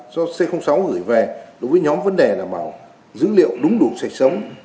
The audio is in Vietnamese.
do c sáu gửi về đối với nhóm vấn đề đảm bảo dữ liệu đúng đủ sạch sống